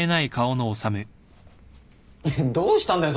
どうしたんだよ